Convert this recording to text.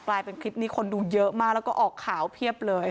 กลายเป็นคลิปนี้คนดูเยอะมากแล้วก็ออกข่าวเพียบเลย